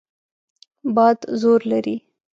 باد زور لري.